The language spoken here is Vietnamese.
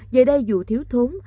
giờ đây dù thiếu thốn